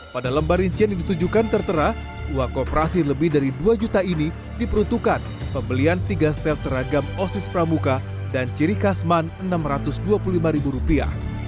pada lembar rincian yang ditujukan tertera uang kooperasi lebih dari dua juta ini diperuntukkan pembelian tiga setel seragam osis pramuka dan ciri kasman enam ratus dua puluh lima ribu rupiah